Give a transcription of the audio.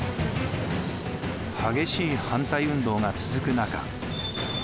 激しい反対運動が続く中